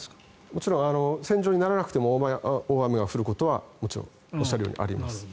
もちろん線状にならなくても大雨が降ることはおっしゃるようにあります。